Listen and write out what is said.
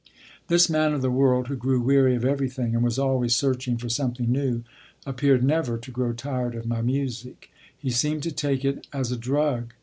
This man of the world, who grew weary of everything and was always searching for something new, appeared never to grow tired of my music; he seemed to take it as a drug.